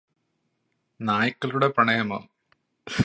നായ്ക്കളുടെ പ്രണയമോ